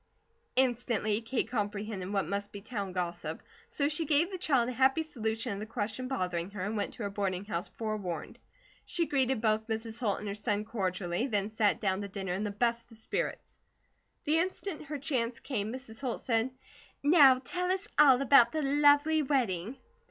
Instantly Kate comprehended what must be town gossip, so she gave the child a happy solution of the question bothering her, and went to her boarding house forewarned. She greeted both Mrs. Holt and her son cordially, then sat down to dinner, in the best of spirits. The instant her chance came, Mrs. Holt said: "Now tell us all about the lovely wedding."